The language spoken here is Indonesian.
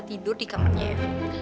gue bisa tidur di kamarnya ya